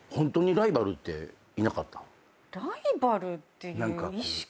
ライバルっていう意識が。